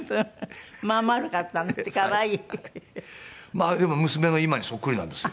まあでも娘の今にそっくりなんですよ。